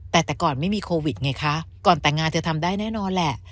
แต่แต่ก่อนไม่มีโควิดไงคะก่อนแต่งงานเธอทำได้แน่นอนแหละ